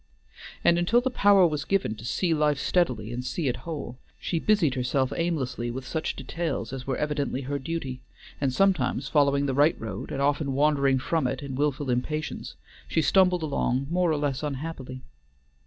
And until the power was given to "see life steadily and see it whole," she busied herself aimlessly with such details as were evidently her duty, and sometimes following the right road and often wandering from it in willful impatience, she stumbled along more or less unhappily.